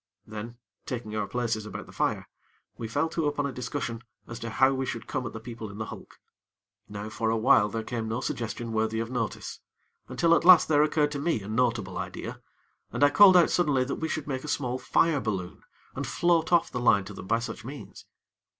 Then, taking our places about the fire, we fell to upon a discussion as to how we should come at the people in the hulk. Now, for a while there came no suggestion worthy of notice, until at last there occurred to me a notable idea, and I called out suddenly that we should make a small fire balloon, and float off the line to them by such means.